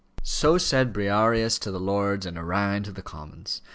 So said Briareus to the Lords, and Orion to the Commons.